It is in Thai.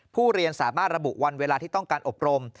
เรียนสามารถระบุวันเวลาที่ต้องการอบรม